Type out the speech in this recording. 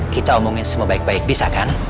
kita omongin semua baik baik bisa kan